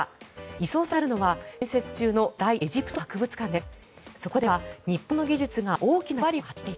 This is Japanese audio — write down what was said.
移送先となるのは建設中の大エジプト博物館です。